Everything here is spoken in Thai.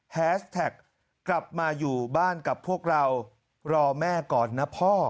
แฮสแท็กกลับมาอยู่บ้านกับพวกเรารอแม่ก่อนนะพ่อ